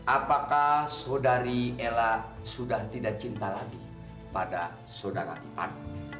apakah sodari ella sudah tidak cinta lagi pada sodara ipan